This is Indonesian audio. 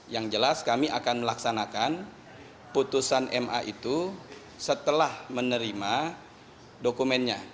yang jelas kami akan melaksanakan putusan ma itu setelah menerima dokumennya